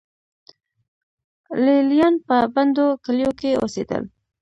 لې لیان په بندو کلیو کې اوسېدل